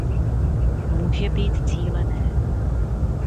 Může být cílené.